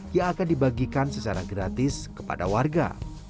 yang akan dibagikan secara gratis kepada warga